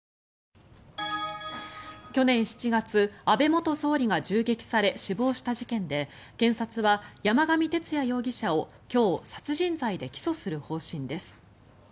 去年７月、安倍元総理が銃撃され死亡した事件で検察は山上徹也容疑者を今日、殺人罪で起訴する方針です。